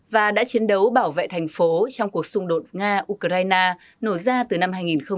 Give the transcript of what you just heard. và đã chiến đấu bảo vệ thành phố trong cuộc xung đột nga ukraine nổ ra từ năm hai nghìn một mươi